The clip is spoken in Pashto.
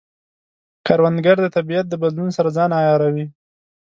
کروندګر د طبیعت د بدلون سره ځان عیاروي